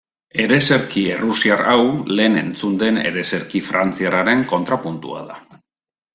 Ereserki errusiar hau, lehen entzun den ereserki frantziarraren kontrapuntua da.